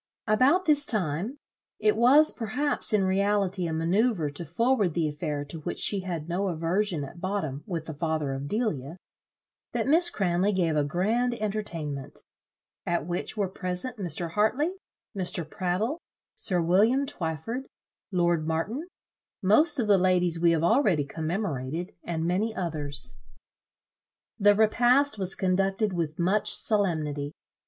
About this time it was perhaps in reality a manoeuvre to forward the affair, to which she had no aversion at bottom, with the father of Delia that Miss Cranley gave a grand entertainment, at which were present Mr. Hartley, Mr. Prattle, sir William Twyford, lord Martin, most of the ladies we have already commemorated, and many others. The repast was conducted with much solemnity.